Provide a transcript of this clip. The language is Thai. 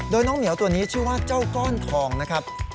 โดยน้องเหมียวตัวนี้ชื่อว่าเจ้าก้อนทองนะครับ